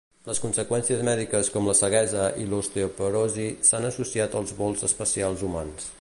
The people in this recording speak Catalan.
Les conseqüències mèdiques com la ceguesa i l'osteoporosi s'han associat als vols espacials humans.